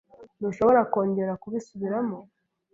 Ntushobora kongera kubisubiramo?